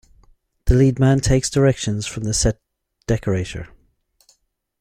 The leadman takes directions from the set decorator.